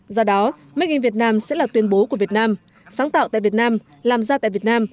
do đó make in việt nam sẽ là tuyên bố của việt nam sáng tạo tại việt nam làm ra tại việt nam